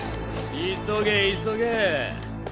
急げ急げ。